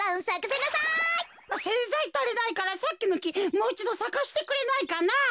せんざいたりないからさっきのきもういちどさかせてくれないかな。